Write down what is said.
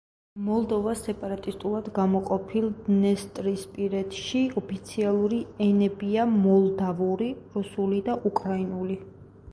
მოლდოვას სეპარატისტულად გამოყოფილ დნესტრისპირეთში ოფიციალური ენებია მოლდავური, რუსული და უკრაინული.